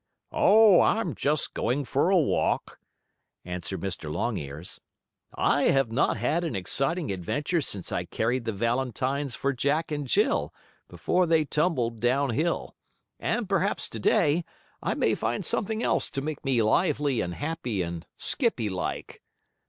"Oh, I'm just going for a walk," answered Mr. Longears. "I have not had an exciting adventure since I carried the valentines for Jack and Jill, before they tumbled down hill, and perhaps to day I may find something else to make me lively, and happy and skippy like."